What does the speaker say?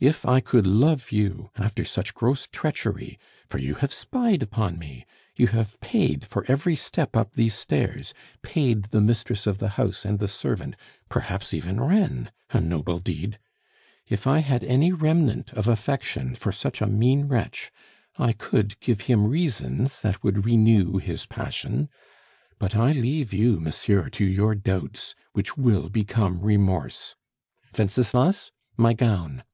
If I could love you after such gross treachery for you have spied upon me, you have paid for every step up these stairs, paid the mistress of the house, and the servant, perhaps even Reine a noble deed! If I had any remnant of affection for such a mean wretch, I could give him reasons that would renew his passion! But I leave you, monsieur, to your doubts, which will become remorse. Wenceslas, my gown!"